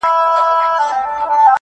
لکه د بزم د پانوس په شپه کي -